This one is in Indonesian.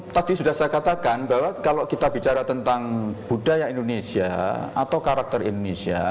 tadi sudah saya katakan bahwa kalau kita bicara tentang budaya indonesia atau karakter indonesia